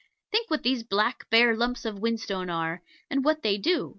Think what these black bare lumps of whinstone are, and what they do.